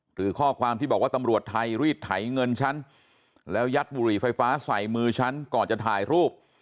หรือข้อความที่บอกว่าตำรวจไทยรีดไถเงินฉันแล้วยัดบุหรี่ไฟฟ้าใส่มือฉันก่อนจะถ่ายรูป